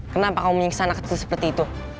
kenapa kamu menyiksa anak kecil seperti itu